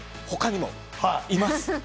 他にもいます。